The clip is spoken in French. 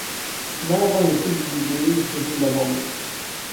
Maladroit mais subjugué, il choisit de l'aborder.